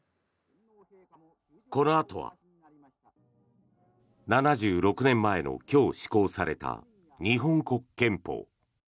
このあとは、７６年前の今日施行された日本国憲法。